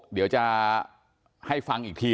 เดี๋ยวจะให้ฟังอีกที